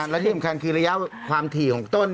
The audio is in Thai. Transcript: และที่สำคัญคือระยะความถี่ของต้น